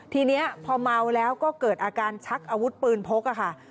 ทีนี้พอเมาแล้วก็เกิดอาการชักอาวุธปืนพกค่ะ